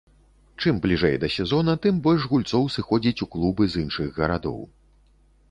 Чым бліжэй да сезона, тым больш гульцоў сыходзіць у клубы з іншых гарадоў.